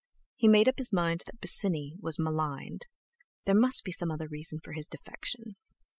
He made up his mind that Bosinney was maligned. There must be some other reason for his defection.